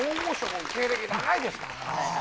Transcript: も芸歴長いですからね